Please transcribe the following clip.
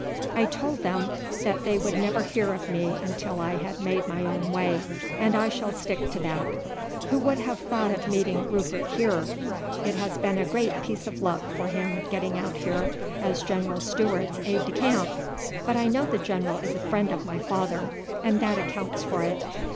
"I told them that they would never hear of me until I had made my own way, and I shall stick to that. Who would have thought of meeting Rupert here? It has been a great piece of luck for him getting out here as General Stewart's aide de camp, but I know the general is a friend of my father, and that accounts for it.